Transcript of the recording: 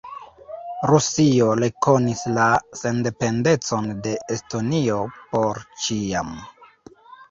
Rusio rekonis la sendependecon de Estonio "por ĉiam".